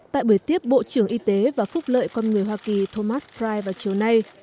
tại bữa tiếp bộ trưởng y tế và phúc lợi con người hoa kỳ thomas prye vào chiều nay